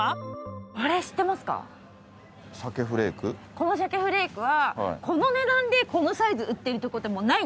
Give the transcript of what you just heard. この鮭フレークはこの値段でこのサイズ売ってるとこってもうないんですよ。